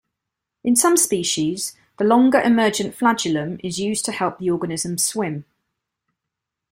In some species, the longer, emergent flagellum is used to help the organism swim.